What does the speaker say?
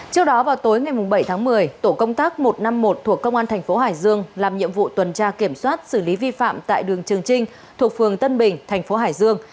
trước đó vào tối ngày bảy tháng một mươi tổ công tác một trăm năm mươi một thuộc công an thành phố hải dương làm nhiệm vụ tuần tra kiểm soát xử lý vi phạm tại đường trường trinh thuộc phường tân bình thành phố hải dương